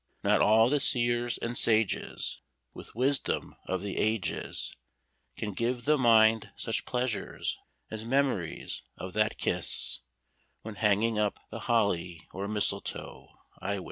Not all the seers and sages With wisdom of the ages Can give the mind such pleasure as memories of that kiss When hanging up the holly or mistletoe, I wis.